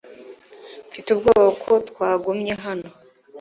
Mfite ubwoba ko twagumye hano .